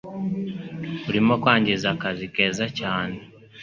Urimo kwangiza akazi keza cyane.